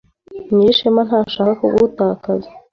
Nyirishema ntashaka kugutakaza.